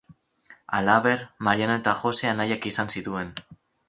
Halaber, Mariano eta Jose anaiak izan zituen.